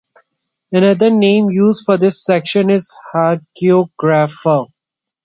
Another name used for this section is Hagiographa.